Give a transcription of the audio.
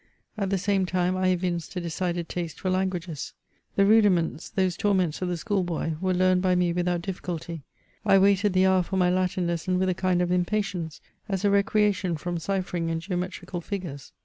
At the same time, I evinced a decided taste for langoages. The rudiments, those torments of the school boy, were learned by me without difficulty ; I awaited the hour for my Latin lesson with a kind of impatience, as a recreation from cyphering and geometrical figures.